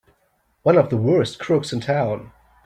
One of the worst crooks in town!